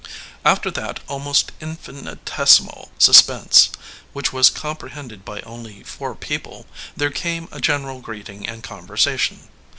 After that almost infinitesimal suspense, which was com prehended by only four people, there came a gen eral greeting and conversation.